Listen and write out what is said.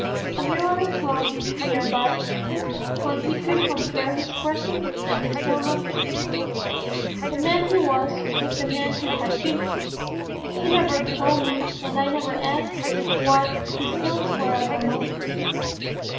A mirror hung near by, where he could compare his present with his former face, the man he was with the man he had been. He never told me and I never asked what his feelings were at that moment.